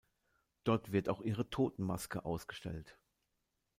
Dort wird auch ihre Totenmaske ausgestellt.